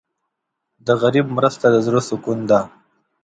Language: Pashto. د غریب مرسته د زړه سکون ده.